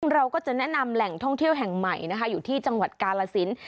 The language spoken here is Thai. เราก็จะแนะนำแหล่งท่องเที่ยวแห่งใหม่นะคะอยู่ที่จังหวัดกาลสิน